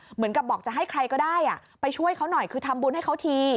เหมือนกับบอกจะให้ใครก็ได้ไปช่วยเขาหน่อยคือทำบุญให้เขาที